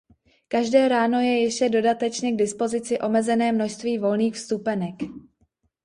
Každé ráno je ještě dodatečně k dispozici omezené množství volných vstupenek.